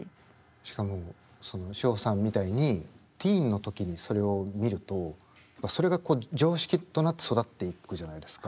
しかもシホさんみたいにティーンの時にそれを見るとそれが常識となって育っていくじゃないですか。